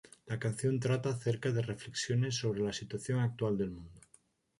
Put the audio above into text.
La canción trata acerca de reflexiones sobre la situación actual del mundo.